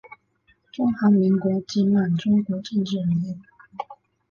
中华民国及满洲国政治人物。